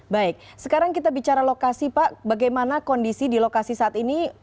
baik sekarang kita bicara lokasi pak bagaimana kondisi di lokasi saat ini